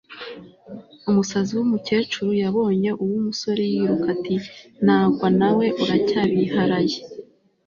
umusazi w'umukecuru yabonye uw'umusore yiruka ati nangwa nawe uracyabiharaye